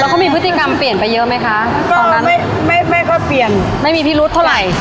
แล้วก็มีพฤติกรรมเปลี่ยนไปเยอะไหมคะตอนนั้นไม่ไม่ก็เปลี่ยนไม่มีพิรุธเท่าไหร่